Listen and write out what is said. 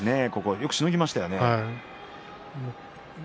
よくしのぎました。